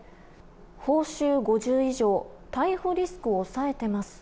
報酬５０以上逮捕リスク抑えてます。